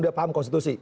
dia paham konstitusi